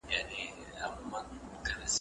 چا منله چي یو وخت به داسي هم پر زاهد راسي